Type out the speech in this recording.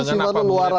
ini nyambung dengan apa